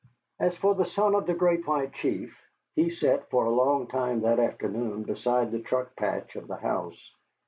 As for the son of the Great White Chief, he sat for a long time that afternoon beside the truck patch of the house.